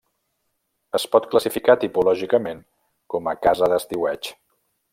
Es pot classificar tipològicament com a casa d'estiueig.